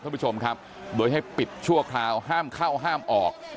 ท่านผู้ชมครับโดยให้ปิดชั่วคราวห้ามเข้าห้ามออก